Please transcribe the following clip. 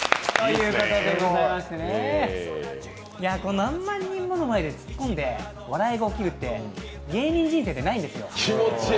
何万人もの前でツッコんで笑いが起きるって芸人人生で、ないんですよ。